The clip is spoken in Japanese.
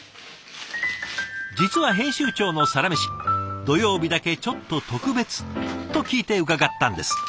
実は編集長のサラメシ土曜日だけちょっと特別と聞いて伺ったんです。